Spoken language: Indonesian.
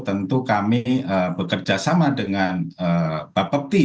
tentu kami bekerja sama dengan bapepti